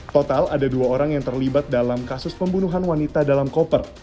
total ada dua orang yang terlibat dalam kasus pembunuhan wanita dalam koper